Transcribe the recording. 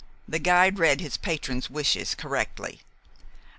The guide read his patron's wishes correctly.